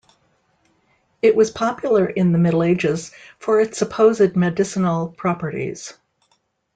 It was popular in the Middle Ages for its supposed medicinal properties.